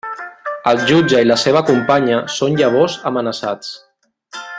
El jutge i la seva companya són llavors amenaçats.